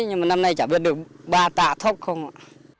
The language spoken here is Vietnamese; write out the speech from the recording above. nhưng mà năm nay chả biết được ba tạ thốc không ạ